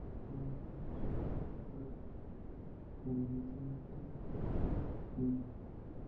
En cambio, optó por una deformación de Marina para el nombre: Marinita-Ninita-Niní.